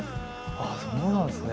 あそうなんですね。